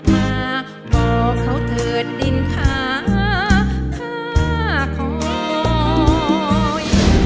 มาบอกเขาเถิดดินค่ะข้าขออภัย